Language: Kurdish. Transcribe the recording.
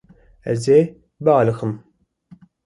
Ez ê bialiqim.